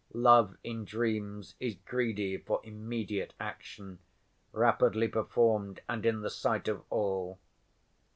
Love in dreams is greedy for immediate action, rapidly performed and in the sight of all.